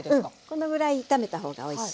このぐらい炒めたほうがおいしい。